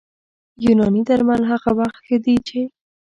یوناني درمل هغه وخت ښه دي چې